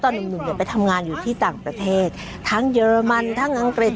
หนุ่มเนี่ยไปทำงานอยู่ที่ต่างประเทศทั้งเยอรมันทั้งอังกฤษ